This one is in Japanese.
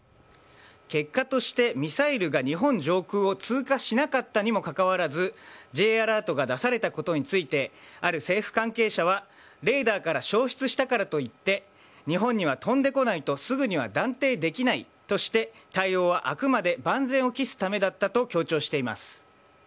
結果としてミサイルが日本上空を通過しなかったにもかかわらずＪアラートが出されたことについてある政府関係者はレーダーから消失したからといって日本には飛んでこないとすぐには断定できないとして対応はあくまで万全を期すためだったと強調しています。